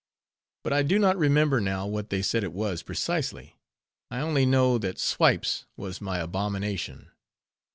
But I do not remember now what they said it was, precisely. I only know, that swipes was my abomination.